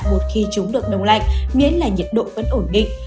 một khi chúng được đông lạnh miễn là nhiệt độ vẫn ổn định